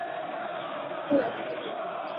kuwa unafikiria ulipwe kiasi gani